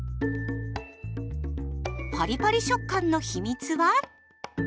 パリパリ食感の秘密は？